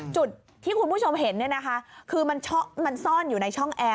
จุดที่คุณผู้ชมเห็นคือมันซ่อนอยู่ในช่องแอร์